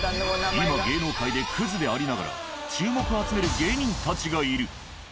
今芸能界でクズでありながら注目を集める芸人たちがいる。